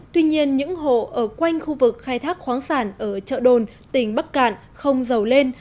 tuy nhiên những hộ ở quanh khu vực khai thác khoáng sản ở chợ đồn tỉnh bắc cạn không giàu lên